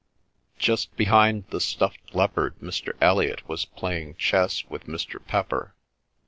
Just behind the stuffed leopard Mr. Elliot was playing chess with Mr. Pepper.